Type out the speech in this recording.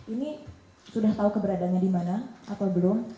ini sudah tahu keberadanya dimana atau belum